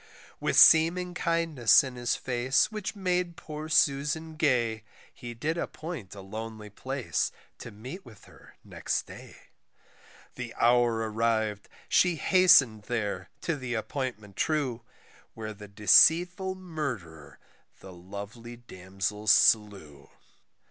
With seeming kindness in his face which made poor Susan gay, He did appoint a lonely place to meet with her next day. The hour arriv'd, she hasten'd there to the appointment true, Where the deceitful murderer the lovely damsel slew.